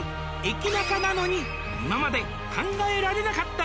「駅ナカなのに今まで考えられなかった」